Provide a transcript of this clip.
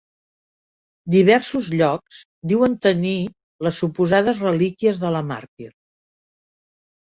Diversos llocs diuen tenir les suposades relíquies de la màrtir.